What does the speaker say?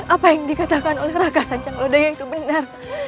apa yang dikatakan oleh raka sancaglodaya itu benar